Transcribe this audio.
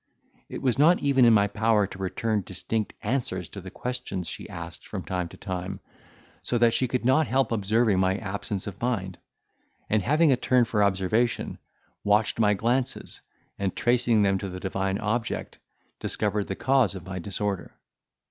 It was not even in my power to return distinct answers to the questions she asked from time to time, so that she could not help observing my absence of mind; and having a turn for observation, watched my glances, and, tracing them to the divine object, discovered the cause of my disorder.